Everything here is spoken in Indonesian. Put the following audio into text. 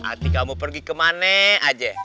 atika mau pergi kemana aja